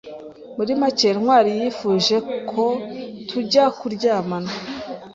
…muri make Ntwari yifuje ko tujya turyamana